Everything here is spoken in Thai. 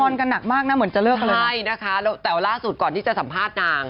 นะคะแต่ว่าร่าสุดก่อนที่จะสัมภาษณ์นาง